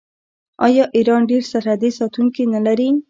آیا ایران ډیر سرحدي ساتونکي نلري؟